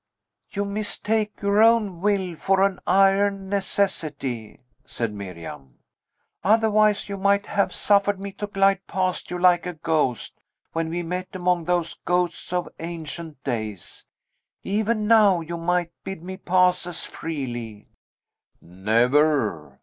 "You mistake your own will for an iron necessity," said Miriam; "otherwise, you might have suffered me to glide past you like a ghost, when we met among those ghosts of ancient days. Even now you might bid me pass as freely." "Never!"